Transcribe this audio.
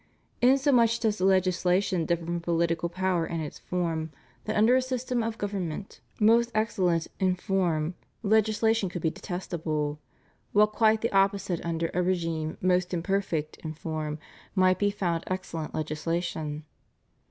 In so much does legislation differ from political power and its form, that under a system of government ALLEGIANCE TO THE REPUBLIC. 259 most excellent in form legislation could be detestable; while quite the opposite under a regime most imperfect in form, might be found excellent legislation.